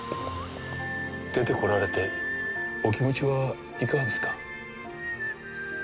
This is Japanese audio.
出てこられてお気持ちはいかがですか？